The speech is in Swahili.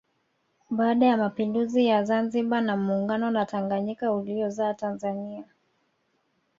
Baada ya mapinduzi ya Zanzibar na muungano na Tanganyika uliozaa Tanzania